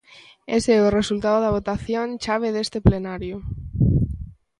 Ese é o resultado da votación chave deste plenario.